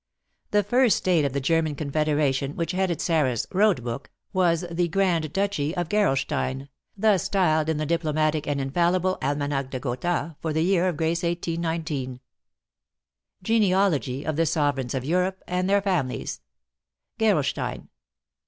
The first state of the German Confederation which headed Sarah's "road book" was the Grand Duchy of Gerolstein, thus styled in the diplomatic and infallible Almanach de Gotha for the year of grace 1819: "Genealogy of the Sovereigns of Europe and their Families. "GEROLSTEIN.